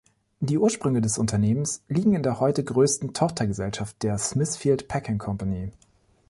Die Ursprünge des Unternehmens liegen in der heute größten Tochtergesellschaft, der "Smithfield Packing Company".